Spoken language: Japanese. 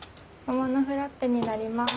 桃のフラッペになります。